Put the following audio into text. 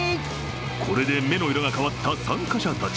これで目の色が変わった参加者たち。